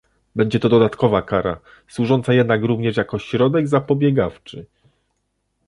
Będzie to dodatkowa kara, służąca jednak również jako środek zapobiegawczy